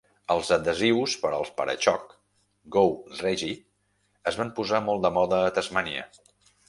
Els adhesius per al para-xocs "Go Reggie" es van posar molt de moda a Tasmania.